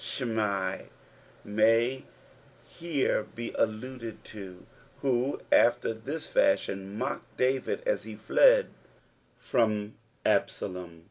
Shimei may here be alluded to who after this fashion mocked David as he fled from Absalom.